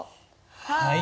はい。